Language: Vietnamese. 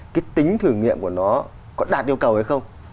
cái tính thử nghiệm của nó có đạt yêu cầu hay không